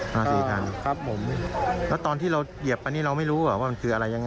มาสี่คันครับผมแล้วตอนที่เราเหยียบอันนี้เราไม่รู้หรอว่ามันคืออะไรยังไง